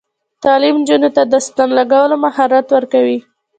تعلیم نجونو ته د ستن لګولو مهارت ورکوي.